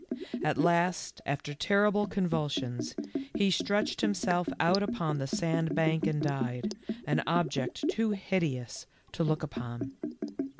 At last, after terrible convulsions, he stretched himself out upon the sandbank and died, an object too hideous to look upon.